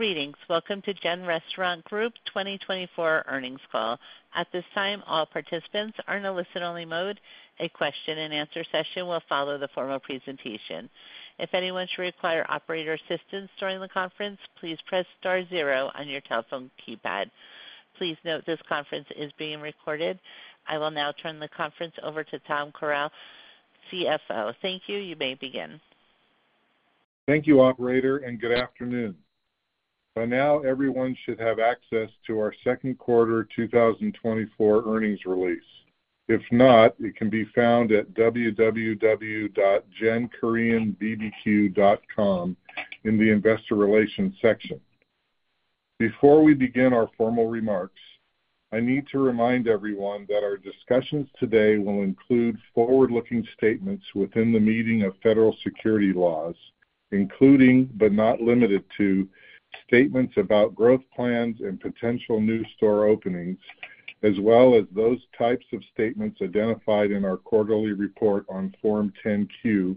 Greetings. Welcome to GEN Restaurant Group 2024 earnings call. At this time, all participants are in a listen-only mode. A question-and-answer session will follow the formal presentation. If anyone should require operator assistance during the conference, please press Star zero on your telephone keypad. Please note this conference is being recorded. I will now turn the conference over to Tom Croal, CFO. Thank you. You may begin. Thank you, Operator, and good afternoon. By now, everyone should have access to our second quarter 2024 earnings release. If not, it can be found at www.genkoreanbbq.com in the Investor Relations section. Before we begin our formal remarks, I need to remind everyone that our discussions today will include forward-looking statements within the meaning of federal securities laws, including, but not limited to, statements about growth plans and potential new store openings, as well as those types of statements identified in our quarterly report on Form 10-Q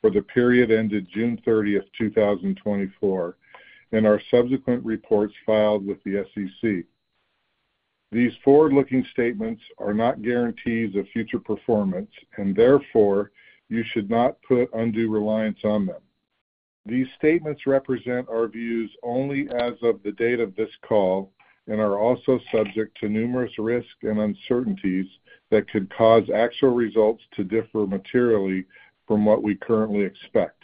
for the period ended June 30th, 2024, and our subsequent reports filed with the SEC. These forward-looking statements are not guarantees of future performance, and therefore, you should not put undue reliance on them. These statements represent our views only as of the date of this call and are also subject to numerous risks and uncertainties that could cause actual results to differ materially from what we currently expect.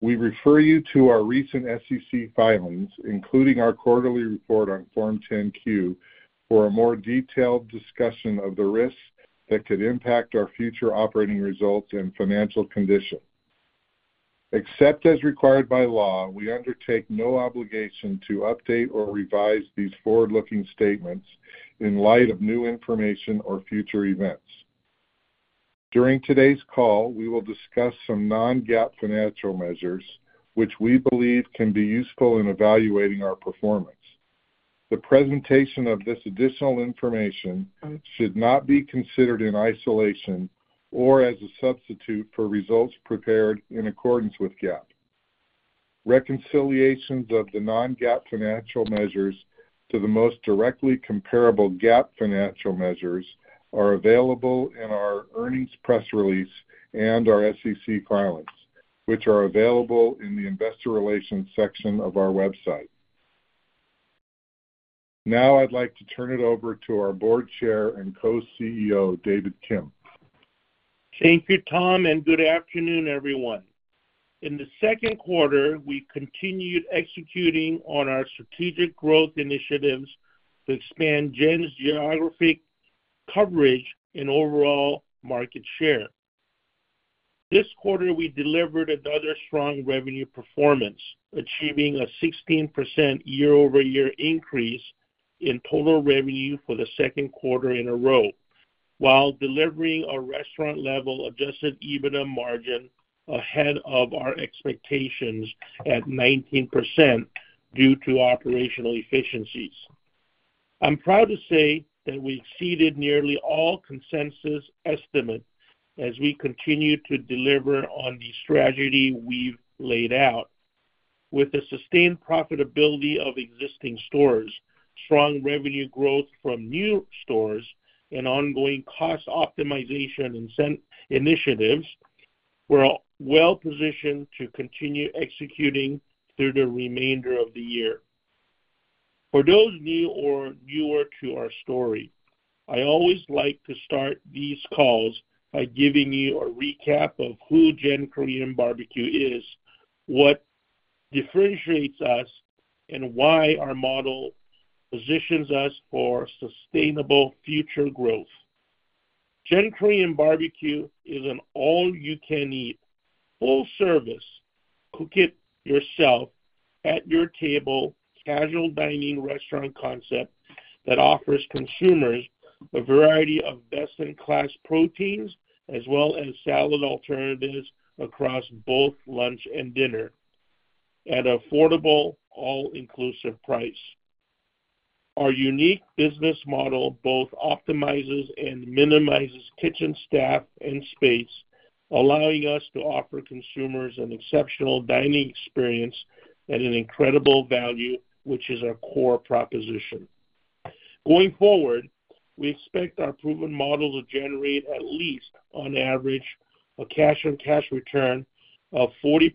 We refer you to our recent SEC filings, including our quarterly report on Form 10-Q, for a more detailed discussion of the risks that could impact our future operating results and financial condition. Except as required by law, we undertake no obligation to update or revise these forward-looking statements in light of new information or future events. During today's call, we will discuss some non-GAAP financial measures, which we believe can be useful in evaluating our performance. The presentation of this additional information should not be considered in isolation or as a substitute for results prepared in accordance with GAAP. Reconciliations of the non-GAAP financial measures to the most directly comparable GAAP financial measures are available in our earnings press release and our SEC filings, which are available in the Investor Relations section of our website. Now, I'd like to turn it over to our Board Chair and Co-CEO, David Kim. Thank you, Tom, and good afternoon, everyone. In the second quarter, we continued executing on our strategic growth initiatives to expand GEN's geographic coverage and overall market share. This quarter, we delivered another strong revenue performance, achieving a 16% year-over-year increase in total revenue for the second quarter in a row, while delivering a restaurant-level Adjusted EBITDA margin ahead of our expectations at 19% due to operational efficiencies. I'm proud to say that we exceeded nearly all consensus estimates as we continue to deliver on the strategy we've laid out. With the sustained profitability of existing stores, strong revenue growth from new stores, and ongoing cost optimization initiatives, we're well-positioned to continue executing through the remainder of the year. For those new or newer to our story, I always like to start these calls by giving you a recap of who GEN Korean BBQ is, what differentiates us, and why our model positions us for sustainable future growth. GEN Korean BBQ is an all-you-can-eat, full-service, cook-it-yourself-at-your-table casual dining restaurant concept that offers consumers a variety of best-in-class proteins as well as salad alternatives across both lunch and dinner at an affordable, all-inclusive price. Our unique business model both optimizes and minimizes kitchen staff and space, allowing us to offer consumers an exceptional dining experience at an incredible value, which is our core proposition. Going forward, we expect our proven model to generate, at least on average, a cash-on-cash return of 40%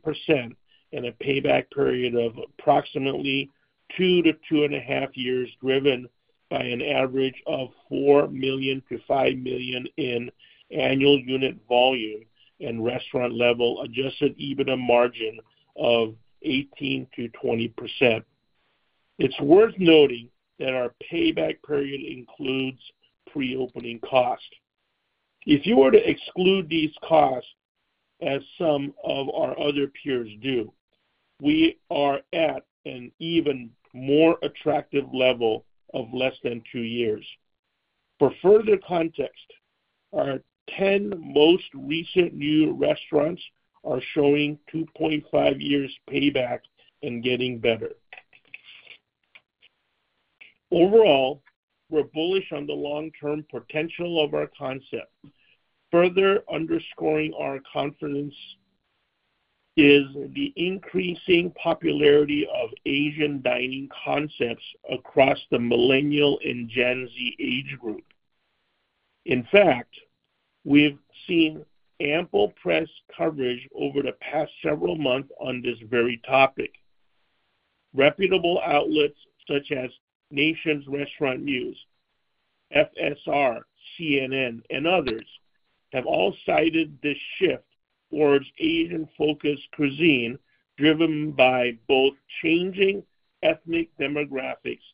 and a payback period of approximately 2-2.5 years, driven by an average of $4 million-$5 million in annual unit volume and restaurant-level Adjusted EBITDA margin of 18%-20%. It's worth noting that our payback period includes pre-opening cost. If you were to exclude these costs, as some of our other peers do, we are at an even more attractive level of less than two years. For further context, our 10 most recent new restaurants are showing 2.5 years' payback and getting better. Overall, we're bullish on the long-term potential of our concept. Further underscoring our confidence is the increasing popularity of Asian dining concepts across the Millennial and Gen Z age group. In fact, we've seen ample press coverage over the past several months on this very topic. Reputable outlets such as Nation's Restaurant News, FSR, CNN, and others have all cited this shift towards Asian-focused cuisine, driven by both changing ethnic demographics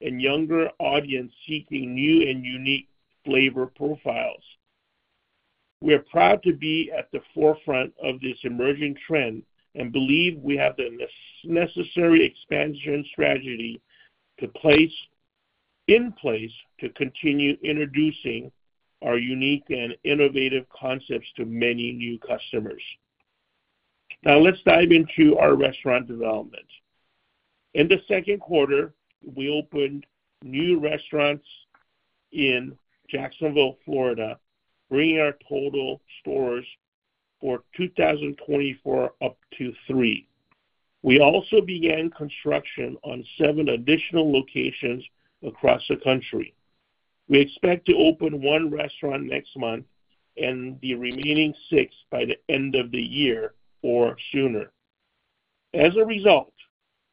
and younger audiences seeking new and unique flavor profiles. We're proud to be at the forefront of this emerging trend and believe we have the necessary expansion strategy in place to continue introducing our unique and innovative concepts to many new customers. Now, let's dive into our restaurant development. In the second quarter, we opened new restaurants in Jacksonville, Florida, bringing our total stores for 2024 up to three. We also began construction on seven additional locations across the country. We expect to open one restaurant next month and the remaining six by the end of the year or sooner. As a result,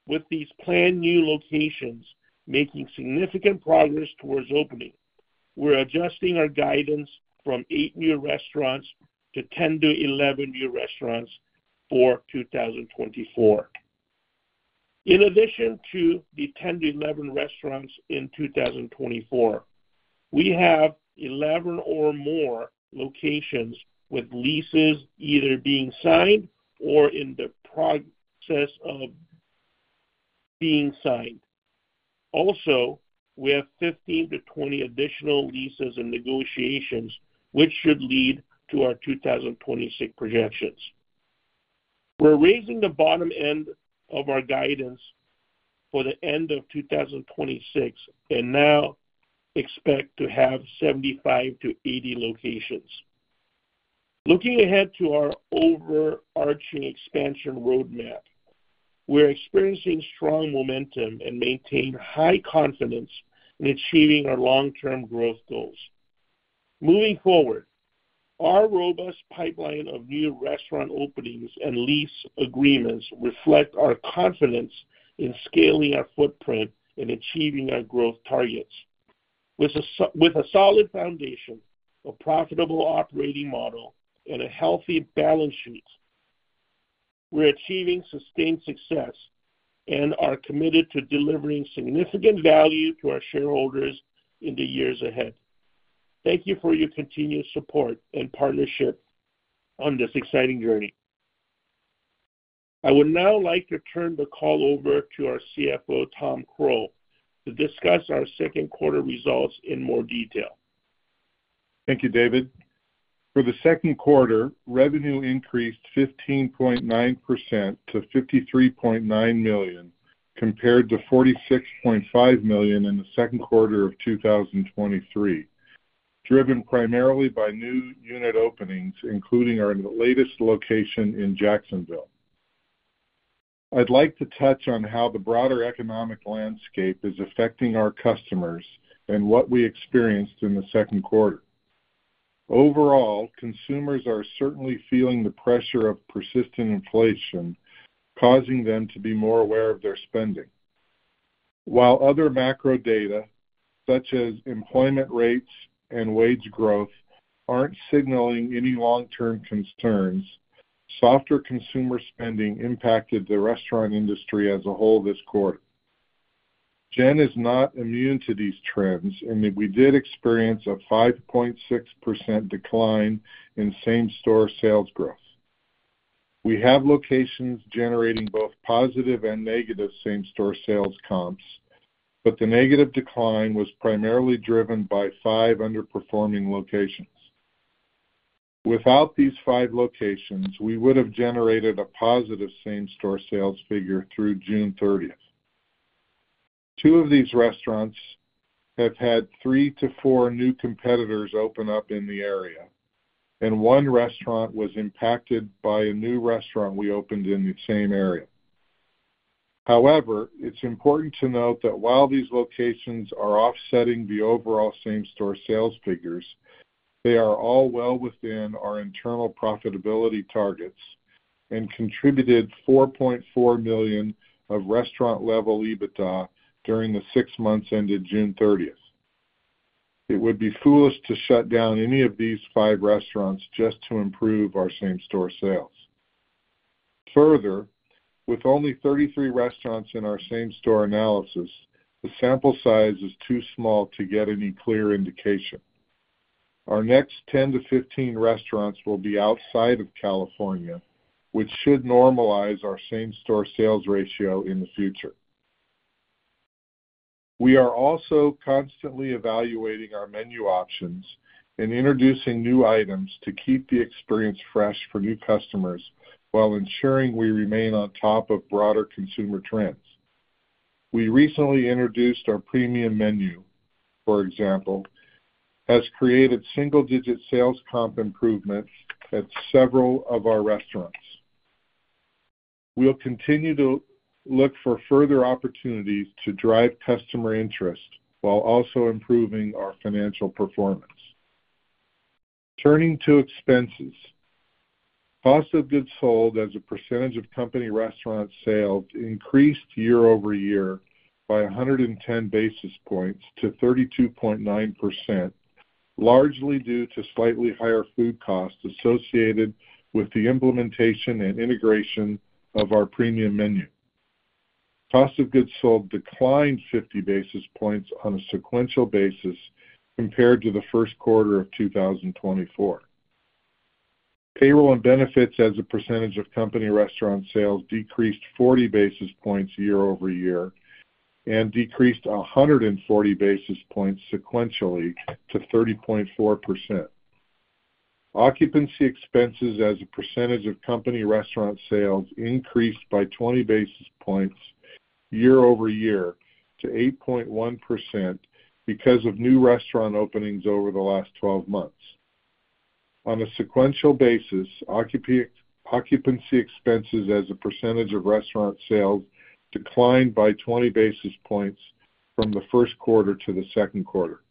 with these planned new locations making significant progress towards opening, we're adjusting our guidance from 8 new restaurants to 10 to 11 new restaurants for 2024. In addition to the 10 to 11 restaurants in 2024, we have 11 or more locations with leases either being signed or in the process of being signed. Also, we have 15 to 20 additional leases in negotiations, which should lead to our 2026 projections. We're raising the bottom end of our guidance for the end of 2026 and now expect to have 75 to 80 locations. Looking ahead to our overarching expansion roadmap, we're experiencing strong momentum and maintaining high confidence in achieving our long-term growth goals. Moving forward, our robust pipeline of new restaurant openings and lease agreements reflects our confidence in scaling our footprint and achieving our growth targets. With a solid foundation, a profitable operating model, and a healthy balance sheet, we're achieving sustained success and are committed to delivering significant value to our shareholders in the years ahead. Thank you for your continued support and partnership on this exciting journey. I would now like to turn the call over to our CFO, Tom Croal, to discuss our second quarter results in more detail. Thank you, David. For the second quarter, revenue increased 15.9% to $53.9 million, compared to $46.5 million in the second quarter of 2023, driven primarily by new unit openings, including our latest location in Jacksonville. I'd like to touch on how the broader economic landscape is affecting our customers and what we experienced in the second quarter. Overall, consumers are certainly feeling the pressure of persistent inflation, causing them to be more aware of their spending. While other macro data, such as employment rates and wage growth, aren't signaling any long-term concerns, softer consumer spending impacted the restaurant industry as a whole this quarter. GEN is not immune to these trends, and we did experience a 5.6% decline in same-store sales growth. We have locations generating both positive and negative same-store sales comps, but the negative decline was primarily driven by five underperforming locations. Without these 5 locations, we would have generated a positive same-store sales figure through June 30th. Two of these restaurants have had three to four new competitors open up in the area, and 1 restaurant was impacted by a new restaurant we opened in the same area. However, it's important to note that while these locations are offsetting the overall same-store sales figures, they are all well within our internal profitability targets and contributed $4.4 million of restaurant-level EBITDA during the six months ended June 30th. It would be foolish to shut down any of these five restaurants just to improve our same-store sales. Further, with only 33 restaurants in our same-store analysis, the sample size is too small to get any clear indication. Our next 10-15 restaurants will be outside of California, which should normalize our same-store sales ratio in the future. We are also constantly evaluating our menu options and introducing new items to keep the experience fresh for new customers while ensuring we remain on top of broader consumer trends. We recently introduced our Premium Menu, for example, has created single-digit sales comp improvements at several of our restaurants. We'll continue to look for further opportunities to drive customer interest while also improving our financial performance. Turning to expenses, Cost of Goods Sold as a percentage of company restaurant sales increased year-over-year by 110 basis points to 32.9%, largely due to slightly higher food costs associated with the implementation and integration of our Premium Menu. Cost of Goods Sold declined 50 basis points on a sequential basis compared to the first quarter of 2024. Payroll and benefits as a percentage of company restaurant sales decreased 40 basis points year-over-year and decreased 140 basis points sequentially to 30.4%. Occupancy expenses as a percentage of company restaurant sales increased by 20 basis points year-over-year to 8.1% because of new restaurant openings over the last 12 months. On a sequential basis, occupancy expenses as a percentage of restaurant sales declined by 20 basis points from the first quarter to the second quarter.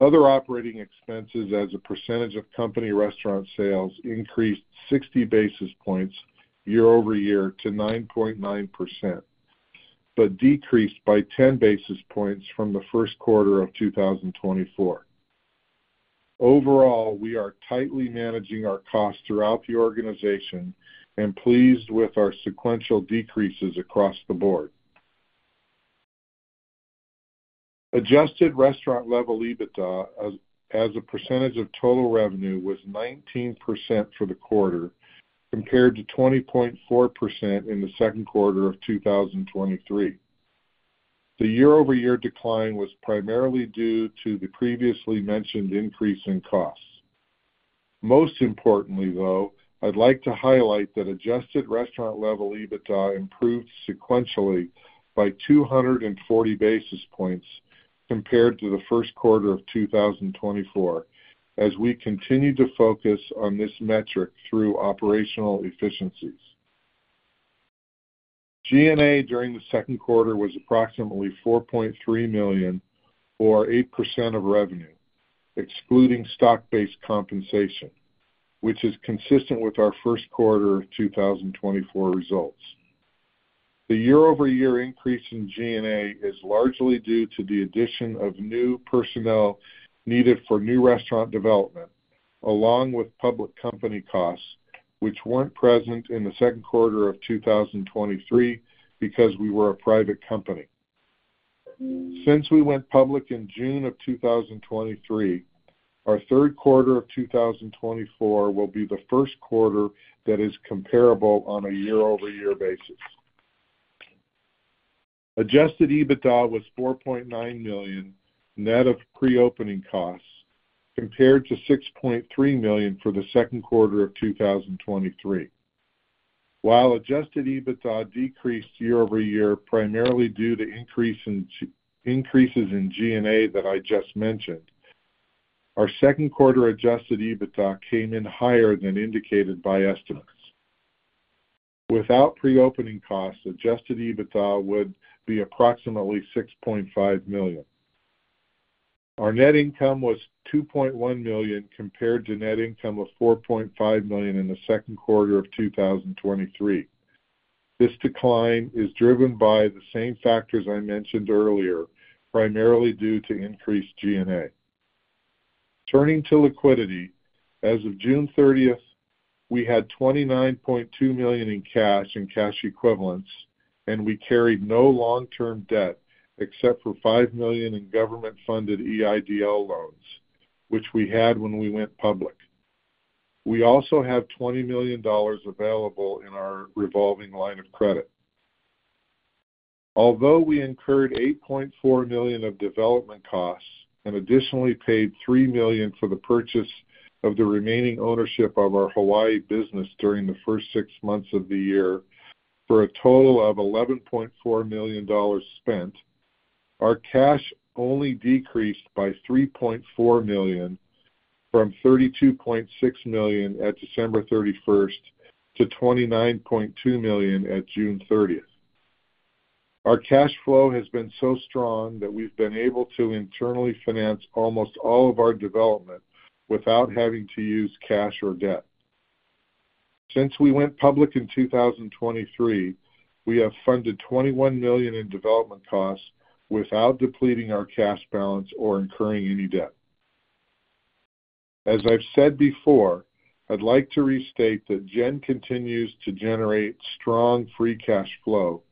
Other operating expenses as a percentage of company restaurant sales increased 60 basis points year-over-year to 9.9%, but decreased by 10 basis points from the first quarter of 2024. Overall, we are tightly managing our costs throughout the organization and pleased with our sequential decreases across the board. Adjusted Restaurant-Level EBITDA as a percentage of total revenue was 19% for the quarter, compared to 20.4% in the second quarter of 2023. The year-over-year decline was primarily due to the previously mentioned increase in costs. Most importantly, though, I'd like to highlight that Adjusted Restaurant-Level EBITDA improved sequentially by 240 basis points compared to the first quarter of 2024, as we continue to focus on this metric through operational efficiencies. G&A during the second quarter was approximately $4.3 million or 8% of revenue, excluding stock-based compensation, which is consistent with our first quarter of 2024 results. The year-over-year increase in G&A is largely due to the addition of new personnel needed for new restaurant development, along with public company costs, which weren't present in the second quarter of 2023 because we were a private company. Since we went public in June of 2023, our third quarter of 2024 will be the first quarter that is comparable on a year-over-year basis. Adjusted EBITDA was $4.9 million net of pre-opening costs, compared to $6.3 million for the second quarter of 2023. While Adjusted EBITDA decreased year-over-year primarily due to increases in G&A that I just mentioned, our second quarter Adjusted EBITDA came in higher than indicated by estimates. Without pre-opening costs, Adjusted EBITDA would be approximately $6.5 million. Our net income was $2.1 million compared to net income of $4.5 million in the second quarter of 2023. This decline is driven by the same factors I mentioned earlier, primarily due to increased G&A. Turning to liquidity, as of June 30th, we had $29.2 million in cash and cash equivalents, and we carried no long-term debt except for $5 million in government-funded EIDL loans, which we had when we went public. We also have $20 million available in our revolving line of credit. Although we incurred $8.4 million of development costs and additionally paid $3 million for the purchase of the remaining ownership of our Hawaii business during the first six months of the year for a total of $11.4 million spent, our cash only decreased by $3.4 million from $32.6 million at December 31 to $29.2 million at June 30th. Our cash flow has been so strong that we've been able to internally finance almost all of our development without having to use cash or debt. Since we went public in 2023, we have funded $21 million in development costs without depleting our cash balance or incurring any debt. As I've said before, I'd like to restate that GEN continues to generate strong free cash flow,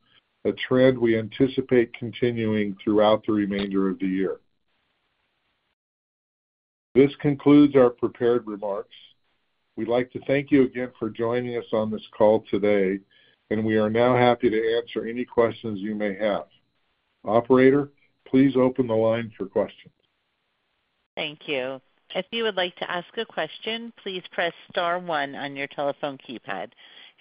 a trend we anticipate continuing throughout the remainder of the year. This concludes our prepared remarks. We'd like to thank you again for joining us on this call today, and we are now happy to answer any questions you may have. Operator, please open the line for questions. Thank you. If you would like to ask a question, please press Star one on your telephone keypad.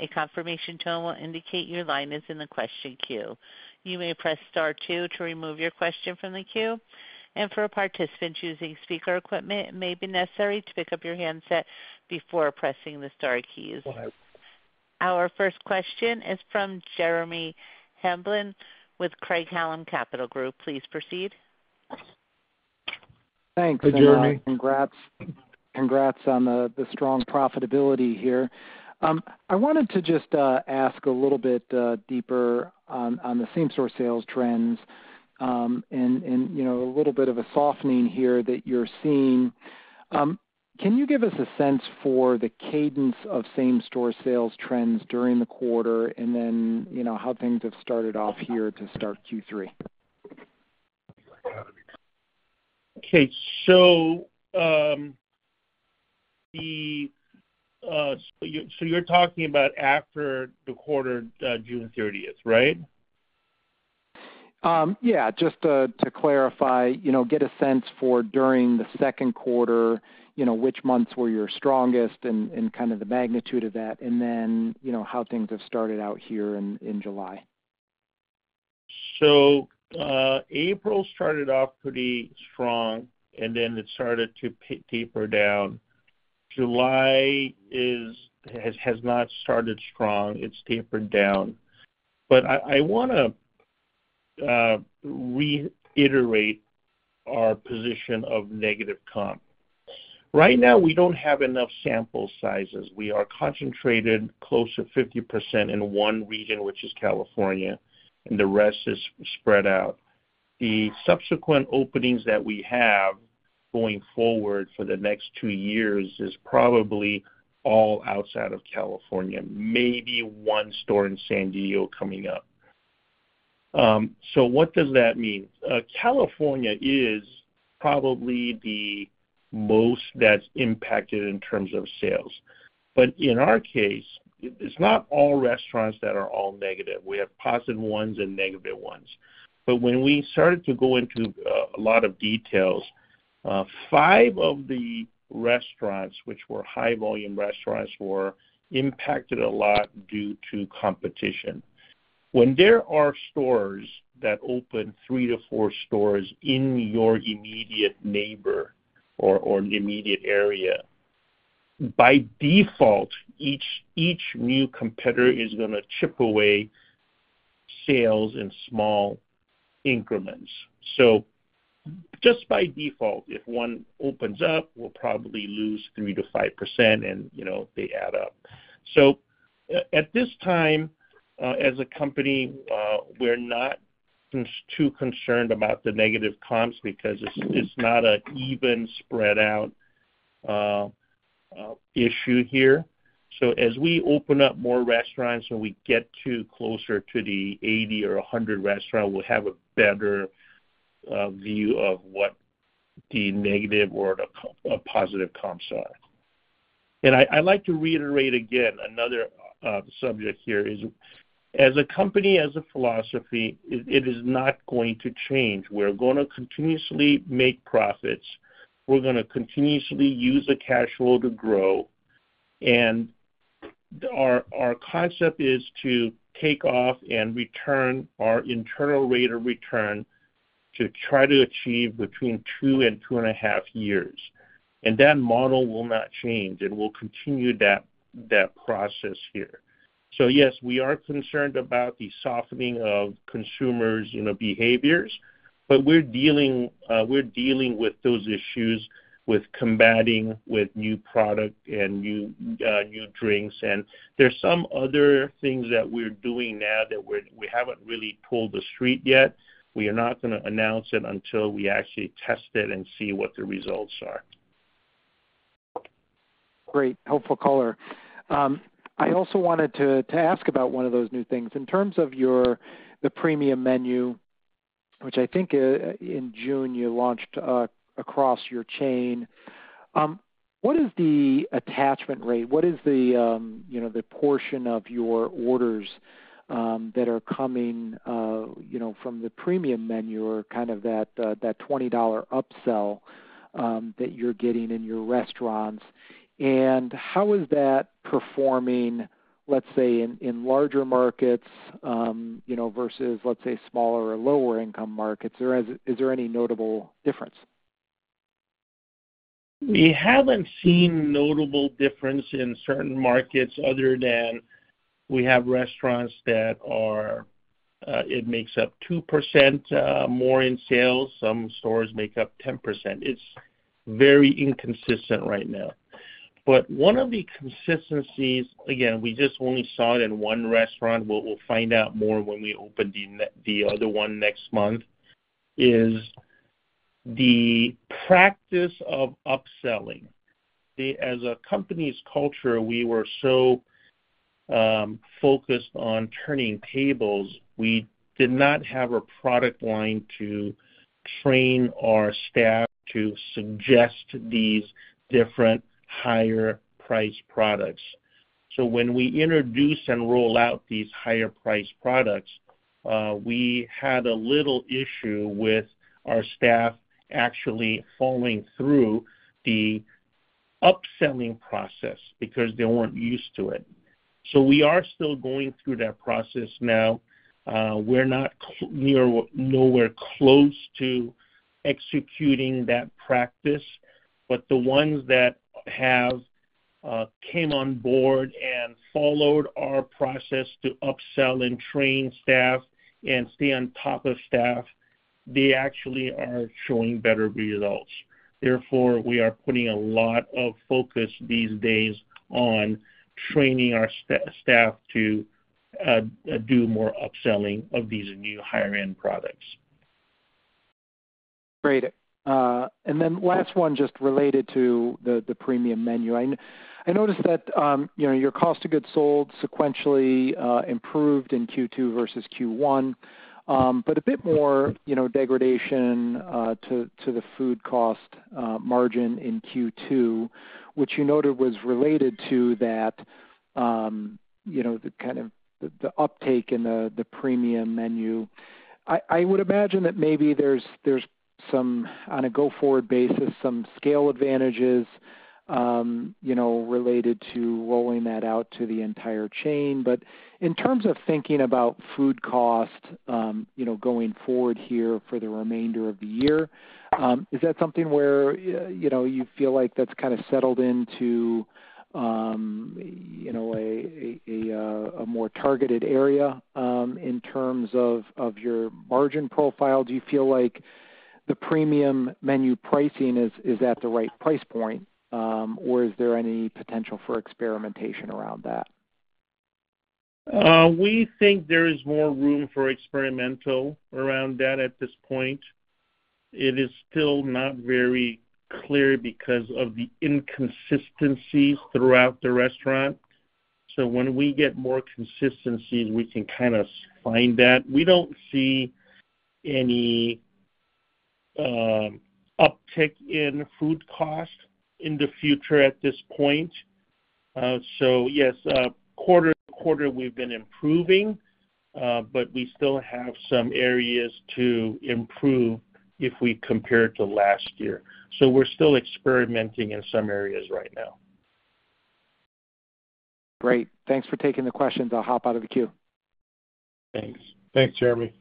A confirmation tone will indicate your line is in the question queue. You may press Star two to remove your question from the queue. For a participant using speaker equipment, it may be necessary to pick up your handset before pressing the Star keys. Our first question is from Jeremy Hamblin with Craig-Hallum Capital Group. Please proceed. Thanks, Jeremy. Congrats on the strong profitability here. I wanted to just ask a little bit deeper on the same-store sales trends and a little bit of a softening here that you're seeing. Can you give us a sense for the cadence of same-store sales trends during the quarter and then how things have started off here to start Q3? Okay. So you're talking about after the quarter, June 30th, right? Yeah. Just to clarify, get a sense for during the second quarter, which months were your strongest and kind of the magnitude of that, and then how things have started out here in July? So April started off pretty strong, and then it started to taper down. July has not started strong. It's tapered down. But I want to reiterate our position of negative comp. Right now, we don't have enough sample sizes. We are concentrated close to 50% in one region, which is California, and the rest is spread out. The subsequent openings that we have going forward for the next two years is probably all outside of California, maybe one store in San Diego coming up. So what does that mean? California is probably the most that's impacted in terms of sales. But in our case, it's not all restaurants that are all negative. We have positive ones and negative ones. But when we started to go into a lot of details, five of the restaurants, which were high-volume restaurants, were impacted a lot due to competition. When there are stores that open three to four stores in your immediate neighbor or immediate area, by default, each new competitor is going to chip away sales in small increments. So just by default, if one opens up, we'll probably lose 3%-5%, and they add up. So at this time, as a company, we're not too concerned about the negative comps because it's not an even spread-out issue here. So as we open up more restaurants and we get closer to the 80 or 100 restaurant, we'll have a better view of what the negative or the positive comps are. And I'd like to reiterate again another subject here is, as a company, as a philosophy, it is not going to change. We're going to continuously make profits. We're going to continuously use the cash flow to grow. Our concept is to take off and return our internal rate of return to try to achieve between 2 and 2.5 years. That model will not change, and we'll continue that process here. So yes, we are concerned about the softening of consumers' behaviors, but we're dealing with those issues with combating with new product and new drinks. There's some other things that we're doing now that we haven't really told the street yet. We are not going to announce it until we actually test it and see what the results are. Great. Helpful color. I also wanted to ask about one of those new things. In terms of the premium menu, which I think in June you launched across your chain, what is the attachment rate? What is the portion of your orders that are coming from the premium menu or kind of that $20 upsell that you're getting in your restaurants? And how is that performing, let's say, in larger markets versus, let's say, smaller or lower-income markets? Or is there any notable difference? We haven't seen notable difference in certain markets other than we have restaurants that it makes up 2% more in sales. Some stores make up 10%. It's very inconsistent right now. But one of the consistencies, again, we just only saw it in one restaurant. We'll find out more when we open the other one next month, is the practice of upselling. As a company's culture, we were so focused on turning tables, we did not have a product line to train our staff to suggest these different higher-priced products. So when we introduced and rolled out these higher-priced products, we had a little issue with our staff actually following through the upselling process because they weren't used to it. So we are still going through that process now. We're not nowhere close to executing that practice, but the ones that have come on board and followed our process to upsell and train staff and stay on top of staff, they actually are showing better results. Therefore, we are putting a lot of focus these days on training our staff to do more upselling of these new higher-end products. Great. And then last one, just related to the premium menu. I noticed that your cost of goods sold sequentially improved in Q2 versus Q1, but a bit more degradation to the food cost margin in Q2, which you noted was related to that kind of the uptake in the premium menu. I would imagine that maybe there's, on a go-forward basis, some scale advantages related to rolling that out to the entire chain. But in terms of thinking about food costs going forward here for the remainder of the year, is that something where you feel like that's kind of settled into a more targeted area in terms of your margin profile? Do you feel like the premium menu pricing is at the right price point, or is there any potential for experimentation around that? We think there is more room for experimentation around that at this point. It is still not very clear because of the inconsistencies throughout the restaurant. So when we get more consistency, we can kind of find that. We don't see any uptick in food costs in the future at this point. So yes, quarter to quarter, we've been improving, but we still have some areas to improve if we compare to last year. So we're still experimenting in some areas right now. Great. Thanks for taking the questions. I'll hop out of the queue. Thanks. Thanks, Jeremy.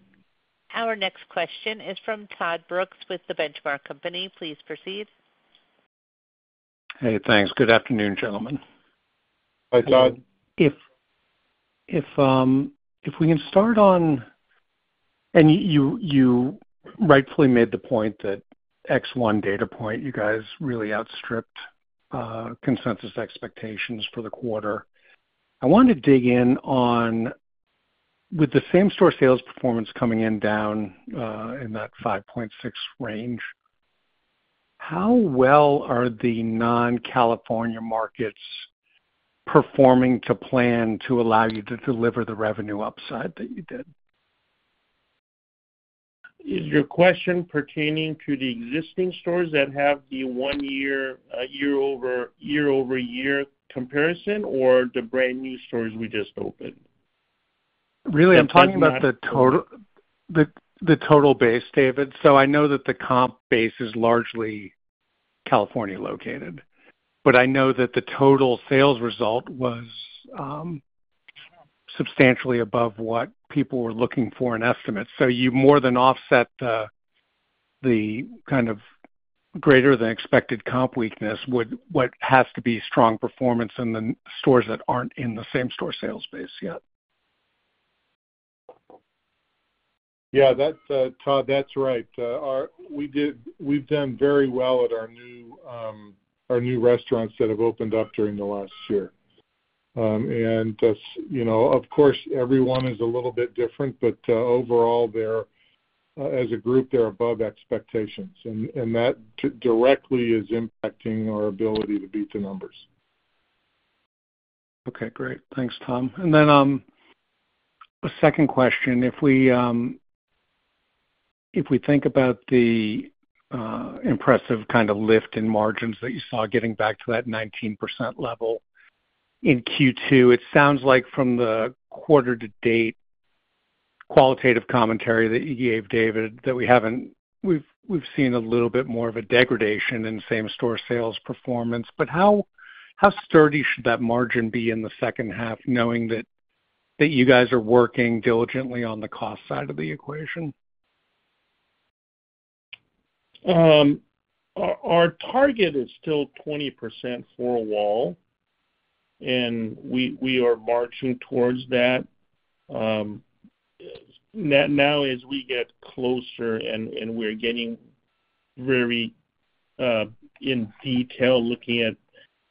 Our next question is from Todd Brooks with The Benchmark Company. Please proceed. Hey, thanks. Good afternoon, gentlemen. Hi, Todd. If we can start on and you rightfully made the point that one data point, you guys really outstripped consensus expectations for the quarter. I want to dig in on, with the same-store sales performance coming in down in that 5.6 range, how well are the non-California markets performing to plan to allow you to deliver the revenue upside that you did? Is your question pertaining to the existing stores that have the one-year year-over-year comparison or the brand new stores we just opened? Really, I'm talking about the total base, David. I know that the comp base is largely California located, but I know that the total sales result was substantially above what people were looking for in estimates. You more than offset the kind of greater-than-expected comp weakness with what has to be strong performance in the stores that aren't in the same-store sales base yet. Yeah, Todd, that's right. We've done very well at our new restaurants that have opened up during the last year. Of course, everyone is a little bit different, but overall, as a group, they're above expectations. And that directly is impacting our ability to beat the numbers. Okay. Great. Thanks, Tom. And then a second question. If we think about the impressive kind of lift in margins that you saw getting back to that 19% level in Q2, it sounds like from the quarter-to-date qualitative commentary that you gave, David, that we've seen a little bit more of a degradation in same-store sales performance. But how sturdy should that margin be in the second half, knowing that you guys are working diligently on the cost side of the equation? Our target is still 20% for a while, and we are marching towards that. Now, as we get closer and we're getting very in detail, looking at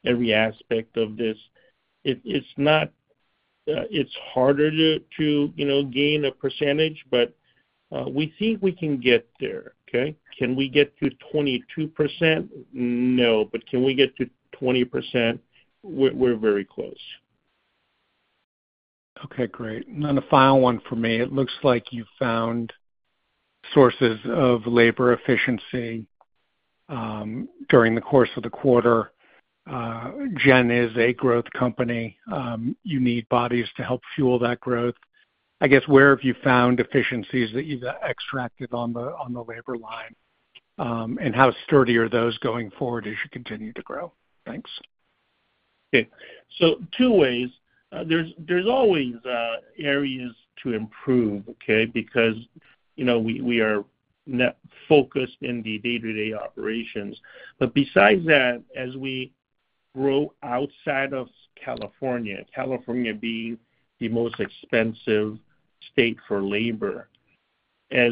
every aspect of this, it's harder to gain a percentage, but we think we can get there. Okay? Can we get to 22%? No. But can we get to 20%? We're very close. Okay. Great. And then a final one for me. It looks like you found sources of labor efficiency during the course of the quarter. GEN is a growth company. You need bodies to help fuel that growth. I guess, where have you found efficiencies that you've extracted on the labor line, and how sturdy are those going forward as you continue to grow? Thanks. Okay. So two ways. There's always areas to improve, okay, because we are focused in the day-to-day operations. But besides that, as we grow outside of California, California being the most expensive state for labor, as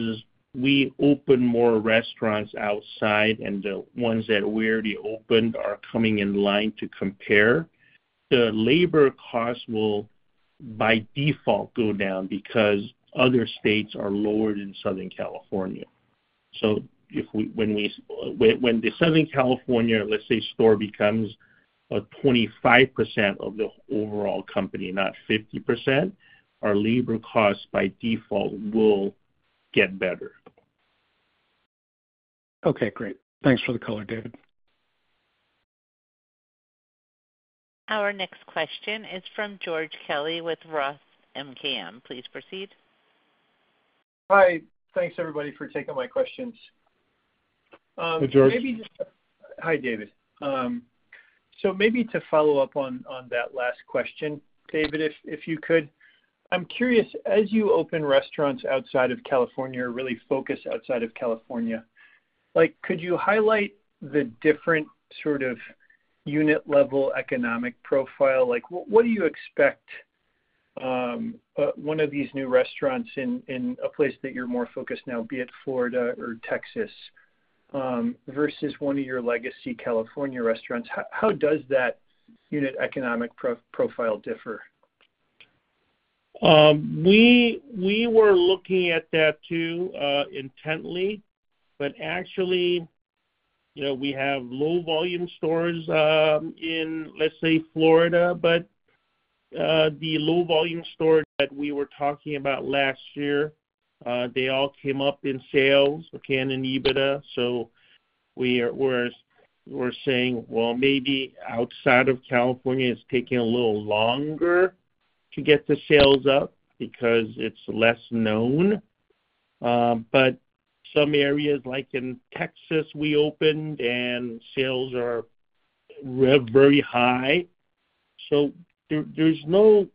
we open more restaurants outside and the ones that we already opened are coming in line to compare, the labor costs will, by default, go down because other states are lower than Southern California. So when the Southern California, let's say, store becomes 25% of the overall company, not 50%, our labor costs by default will get better. Okay. Great. Thanks for the color, David. Our next question is from George Kelly with Roth MKM. Please proceed. Hi. Thanks, everybody, for taking my questions. Hey, George. Maybe just hi, David. So maybe to follow up on that last question, David, if you could, I'm curious, as you open restaurants outside of California or really focus outside of California, could you highlight the different sort of unit-level economic profile? What do you expect one of these new restaurants in a place that you're more focused now, be it Florida or Texas, versus one of your legacy California restaurants? How does that unit economic profile differ? We were looking at that too intently, but actually, we have low-volume stores in, let's say, Florida. But the low-volume stores that we were talking about last year, they all came up in sales and EBITDA. So we're saying, "Well, maybe outside of California, it's taking a little longer to get the sales up because it's less known." But some areas, like in Texas, we opened, and sales are very high. So there's no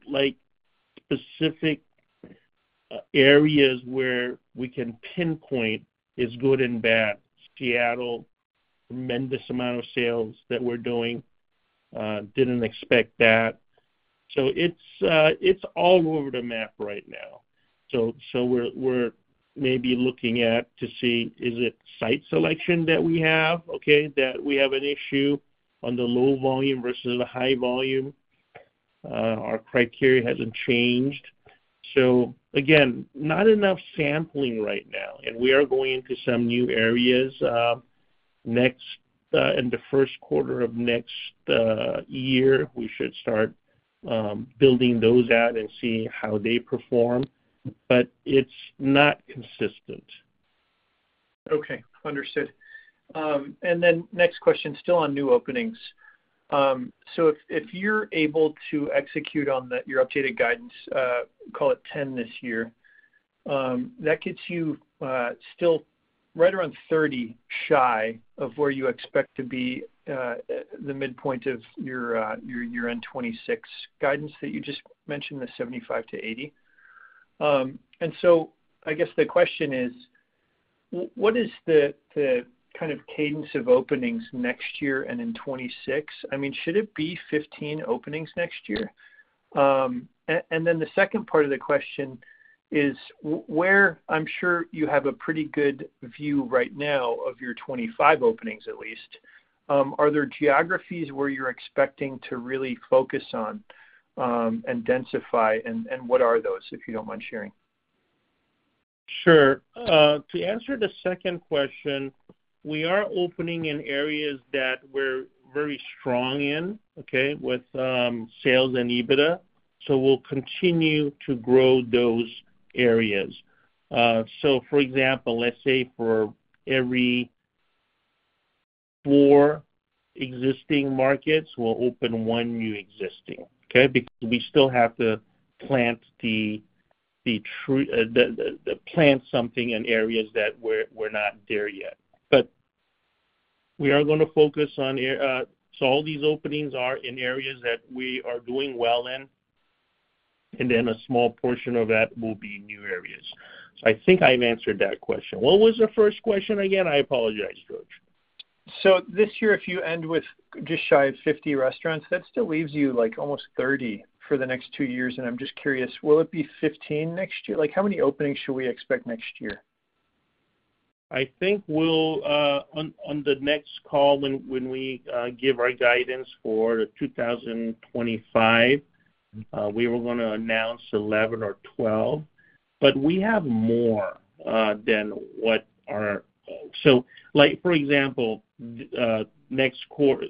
specific areas where we can pinpoint what's good and bad. Seattle, tremendous amount of sales that we're doing. Didn't expect that. So it's all over the map right now. So we're maybe looking at to see, is it site selection that we have, okay, that we have an issue on the low volume versus the high volume? Our criteria hasn't changed. So again, not enough sampling right now. We are going into some new areas in the first quarter of next year. We should start building those out and see how they perform. It's not consistent. Okay. Understood. And then next question, still on new openings. So if you're able to execute on your updated guidance, call it 10 this year, that gets you still right around 30 shy of where you expect to be the midpoint of your year-end 2026 guidance that you just mentioned, the 75-80. And so I guess the question is, what is the kind of cadence of openings next year and in 2026? I mean, should it be 15 openings next year? And then the second part of the question is, where I'm sure you have a pretty good view right now of your 25 openings, at least. Are there geographies where you're expecting to really focus on and densify, and what are those, if you don't mind sharing? Sure. To answer the second question, we are opening in areas that we're very strong in, okay, with sales and EBITDA. So we'll continue to grow those areas. So for example, let's say for every four existing markets, we'll open one new existing, okay, because we still have to plant something in areas that we're not there yet. But we are going to focus on, so all these openings are in areas that we are doing well in, and then a small portion of that will be new areas. So I think I've answered that question. What was the first question again? I apologize, George. So this year, if you end with just shy of 50 restaurants, that still leaves you almost 30 for the next two years. And I'm just curious, will it be 15 next year? How many openings should we expect next year? I think on the next call, when we give our guidance for 2025, we were going to announce 11 or 12. But we have more than what our, so for example, next quarter,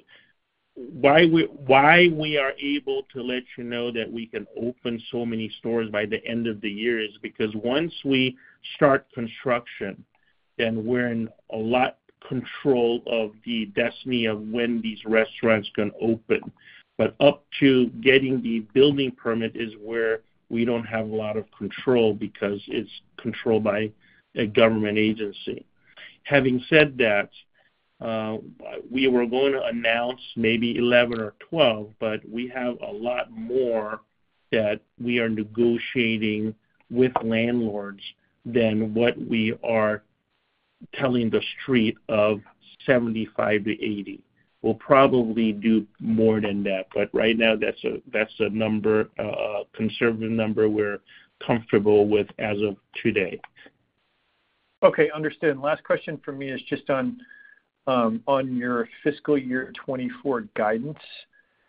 why we are able to let you know that we can open so many stores by the end of the year is because once we start construction, then we're in a lot of control of the destiny of when these restaurants can open. But up to getting the building permit is where we don't have a lot of control because it's controlled by a government agency. Having said that, we were going to announce maybe 11 or 12, but we have a lot more that we are negotiating with landlords than what we are telling the street of 75-80. We'll probably do more than that. But right now, that's a conservative number we're comfortable with as of today. Okay. Understood. Last question for me is just on your fiscal year 2024 guidance.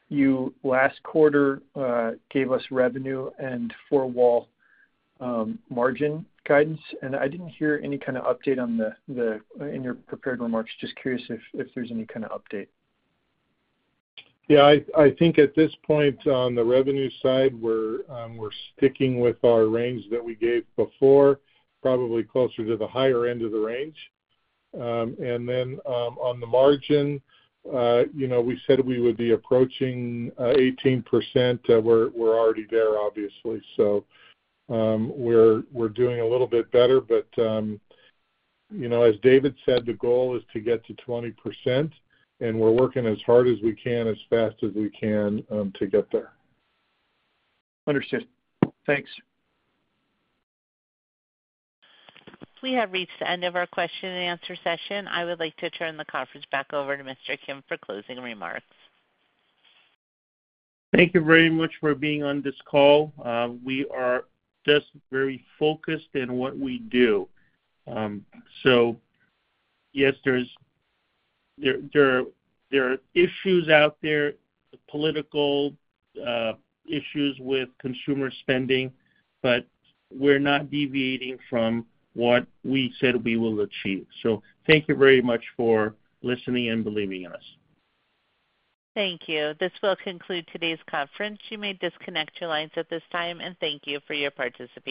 You last quarter gave us revenue and gross margin guidance. And I didn't hear any kind of update in your prepared remarks. Just curious if there's any kind of update. Yeah. I think at this point, on the revenue side, we're sticking with our range that we gave before, probably closer to the higher end of the range. And then on the margin, we said we would be approaching 18%. We're already there, obviously. So we're doing a little bit better. But as David said, the goal is to get to 20%, and we're working as hard as we can, as fast as we can to get there. Understood. Thanks. We have reached the end of our question-and-answer session. I would like to turn the conference back over to Mr. Kim for closing remarks. Thank you very much for being on this call. We are just very focused in what we do. So yes, there are issues out there, political issues with consumer spending, but we're not deviating from what we said we will achieve. So thank you very much for listening and believing in us. Thank you. This will conclude today's conference. You may disconnect your lines at this time, and thank you for your participation.